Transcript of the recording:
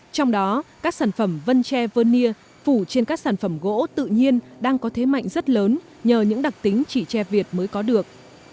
trong đó các sản phẩm vân tre vơn nia phủ trên các sản phẩm gỗ tự nhiên đang có thế mạnh rất lớn nhờ những đặc tính chỉ tre việt mới có được